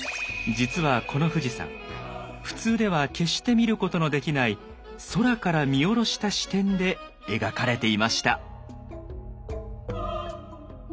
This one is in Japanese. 実はこの富士山普通では決して見ることのできない空から見下ろした視点で描かれていました。